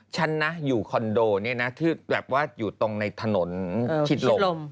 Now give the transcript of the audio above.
ฉันนะอยู่คอนโดเนี่ยนะที่แบบว่าอยู่ตรงในถนนชิดลม